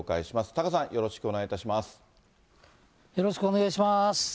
タカさん、よろしくお願いいたしよろしくお願いします。